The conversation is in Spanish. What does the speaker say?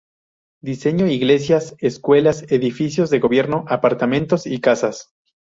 Diseñó iglesias, escuelas, edificios de gobierno, apartamentos y casas.